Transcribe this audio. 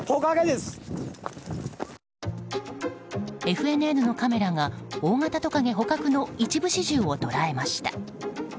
ＦＮＮのカメラが大型トカゲ捕獲の一部始終を捉えました。